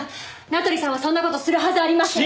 名取さんはそんな事するはずありません。